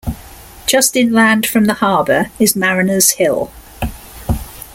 Just inland from the harbour is Mariners Hill.